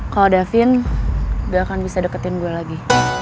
kalau davin gue akan bisa deketin gue lagi